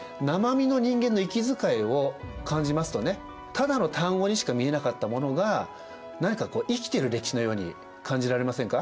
ただの単語にしか見えなかったものが何か生きてる歴史のように感じられませんか？